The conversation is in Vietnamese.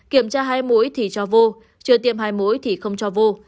kiểm tra hai muối thì cho vô chưa tiêm hai mũi thì không cho vô